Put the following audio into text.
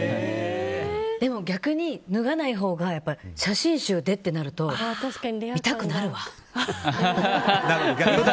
でも逆に脱がないほうが写真集でってなると見たくなるわ！